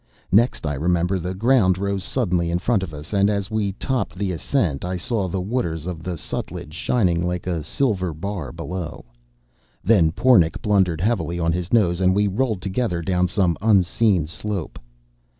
Next, I remember, the ground rose suddenly in front of us, and as we topped the ascent I saw the waters of the Sutlej shining like a silver bar below. Then Pornic blundered heavily on his nose, and we rolled together down some unseen slope.